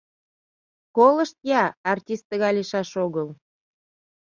Колышт-я, артист тыгай лийшаш огыл.